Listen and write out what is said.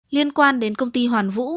liên quan đến công ty hoàn vũ